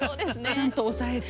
ちゃんと押さえて。